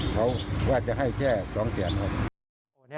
เขาว่าจะให้แค่๒เทียน